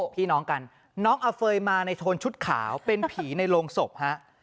พี่น้องกันน้องอเฟย์มาในโทนชุดขาวเป็นผีในโรงศพฮะ